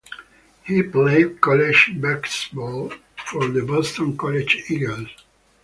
He played college basketball for the Boston College Eagles.